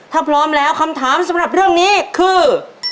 ถ้าพร้อมแล้วคำถามสำหรับเรื่องนี้คือ